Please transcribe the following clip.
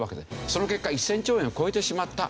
その結果１０００兆円を超えてしまった。